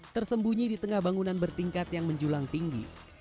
tersembunyi di tengah bangunan bertingkat yang menjulang tinggi